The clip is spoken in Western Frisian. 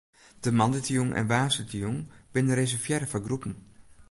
De moandeitejûn en woansdeitejûn binne reservearre foar groepen.